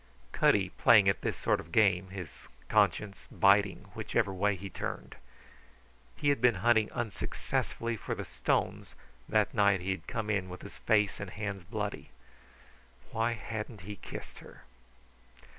Cutty, playing at this sort of game, his conscience biting whichever way he turned! He had been hunting unsuccessfully for the stones that night he had come in with his face and hands bloody. Why hadn't he kissed her?